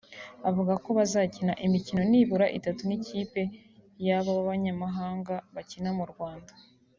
avuga ko bazakina imikino nibura itatu n’ikipe y’abo banyamahanga bakina mu Rwanda